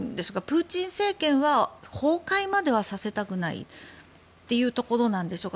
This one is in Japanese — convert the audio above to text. プーチン政権は崩壊まではさせたくないというところなんでしょうか。